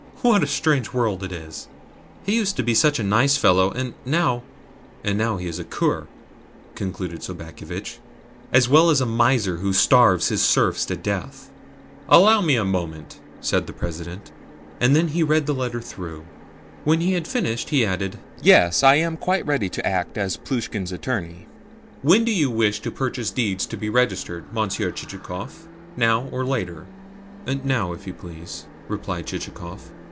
What a strange world it is! He used to be such a nice fellow, and now " "And now he is a cur," concluded Sobakevitch, "as well as a miser who starves his serfs to death." "Allow me a moment," said the President. Then he read the letter through. When he had finished he added: "Yes, I am quite ready to act as Plushkin's attorney. When do you wish the purchase deeds to be registered, Monsieur Chichikov now or later?" "Now, if you please," replied Chichikov.